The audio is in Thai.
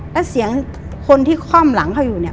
แล้วเสียงคนที่ค่อมหลังเขาอยู่เนี่ย